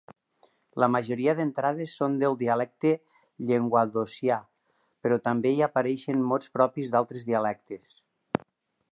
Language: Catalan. La majoria d'entrades són del dialecte llenguadocià, però també hi apareixen mots propis d'altres dialectes.